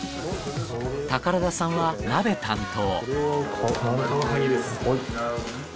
宝田さんは鍋担当。